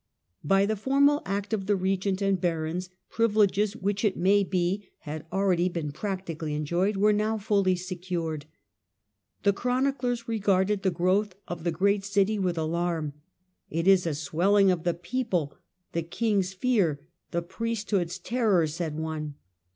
By the formal act of the regent and barons, privi leges which, it maybe, had already been practically enjoyed, were now fully secured. The chroniclers regarded the growth of the great city with alarm. It is " a swelling of the people, the king's fear, the priesthood's terror", said one.